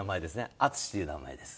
敦司という名前です。